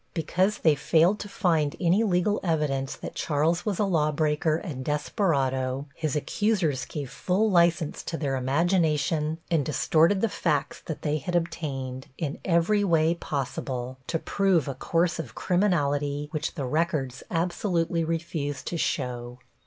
Because they failed to find any legal evidence that Charles was a lawbreaker and desperado his accusers gave full license to their imagination and distorted the facts that they had obtained, in every way possible, to prove a course of criminality, which the records absolutely refuse to show.